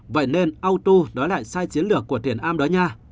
vậy nên auto đó là sai chiến lược của thiền am đó nha